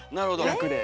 役で。